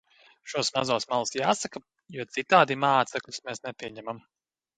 Šos mazos melus jāsaka, jo citādi mācekļus mēs nepieņemam.